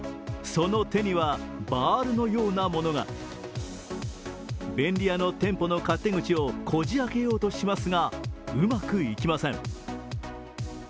その手には、バールのようなものが便利屋の店舗の勝手口をこじ開けようとしますがうまくいきません。